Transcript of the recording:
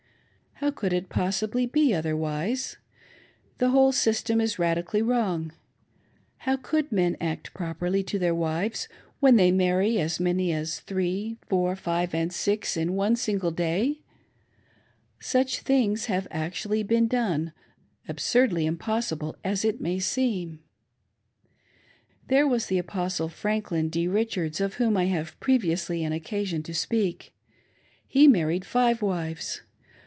How could it possibly be otherwise .' The whole system is radically wrong. How could men act properly to their wives when they marry as many as three, four, five, and six in one single day ? Such things have actually been done, absurdly impossible as it may seem. There was the Apostle Franklin D. Richards, of whom I have previously had occasion to speak. He married ^z*!? wives.